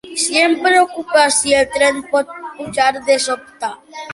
Sí, em preocupa si el tren pot pujar de sobte.